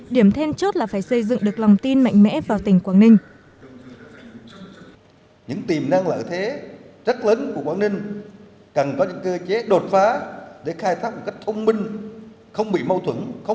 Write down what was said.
điểm then chốt là phải xây dựng được lòng tin mạnh mẽ vào tỉnh quảng ninh